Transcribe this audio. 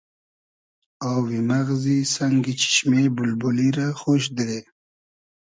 آوی مئغزی سئنگی چیشمې بولبولی رۂ خۉش دیرې